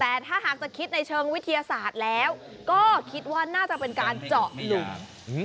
แต่ถ้าหากจะคิดในเชิงวิทยาศาสตร์แล้วก็คิดว่าน่าจะเป็นการเจาะหลุม